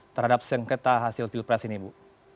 terhadap sengketa hasil pilpres ini bu